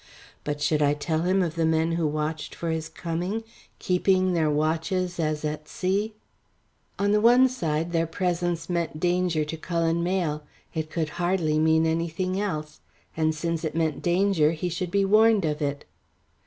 But should I tell him of the men who watched for his coming, keeping their watches as at sea? On the one side their presence meant danger to Cullen Mayle, it could hardly mean anything else; and since it meant danger he should be warned of it.